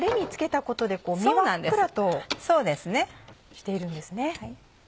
しているんですね。